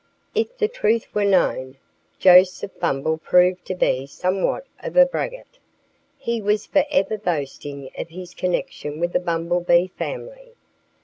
If the truth were known, Joseph Bumble proved to be somewhat of a braggart. He was forever boasting of his connection with the Bumblebee family.